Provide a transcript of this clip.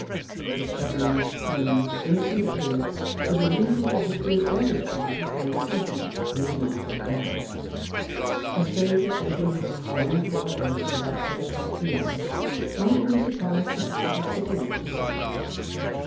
His chubby, smooth, innocent appearance was a reason for his being always treated with condescension when he was not put down. A stranger entering his own poor house at about ten o'clock P.M. might have been surprised to find him sitting up to supper.